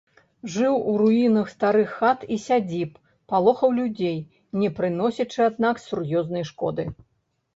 Жыў у руінах старых хат і сядзіб, палохаў людзей, не прыносячы, аднак, сур'ёзнай шкоды.